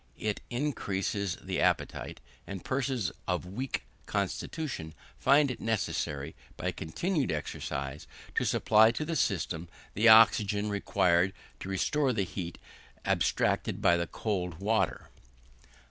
It increases the appetite, and persons of weak constitution find it necessary, by continued exercise, to supply to the system the oxygen required to restore the heat abstracted by the cold water.